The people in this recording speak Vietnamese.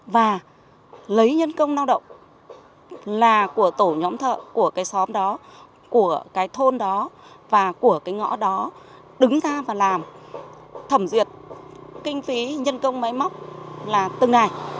và lấy nhân công lao động là của tổ nhóm thợ của cái xóm đó của cái thôn đó và của cái ngõ đó đứng ra và làm thẩm duyệt kinh phí nhân công máy móc là từng ngày